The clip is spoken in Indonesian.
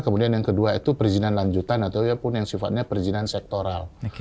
kemudian yang kedua itu perizinan lanjutan ataupun yang sifatnya perizinan sektoral